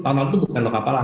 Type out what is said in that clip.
tahun lalu itu bukan lokapala